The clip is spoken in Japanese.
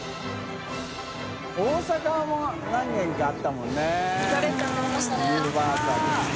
膾紊何軒かあったもんね。